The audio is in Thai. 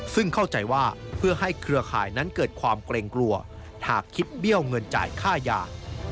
ซึ่งเข้าใจว่าเพื่อให้เครือข่ายนั้นเกิดความเกรงกลัวหากคิดเบี้ยวเงินจ่ายค่ายา